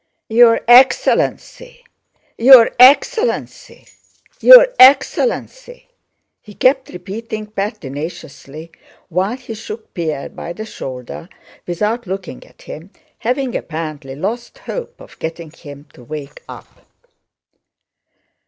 "Your excellency! Your excellency! Your excellency!" he kept repeating pertinaciously while he shook Pierre by the shoulder without looking at him, having apparently lost hope of getting him to wake up.